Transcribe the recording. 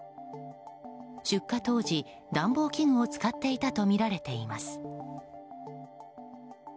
出火当時、暖房器具を使っていたとみられています。